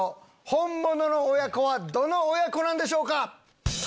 ホンモノの親子はどの親子なんでしょうか？